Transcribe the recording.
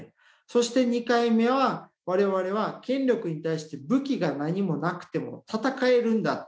そして２回目は我々は権力に対して武器が何もなくても戦えるんだっていうことを知りました。